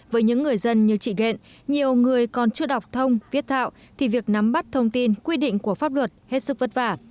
với những người dân như chị ghện nhiều người còn chưa đọc thông viết thạo thì việc nắm bắt thông tin quy định của pháp luật hết sức vất vả